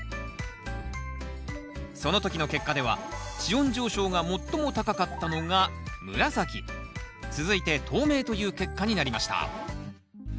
その時の結果では地温上昇が最も高かったのが紫続いて透明という結果になりました